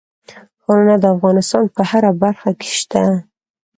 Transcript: ښارونه د افغانستان په هره برخه کې شته.